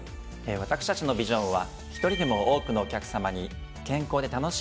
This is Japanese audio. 私たちのビジョンは。